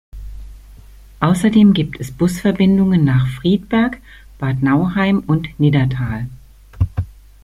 Außerdem gibt es Busverbindungen nach Friedberg, Bad Nauheim und Niddatal.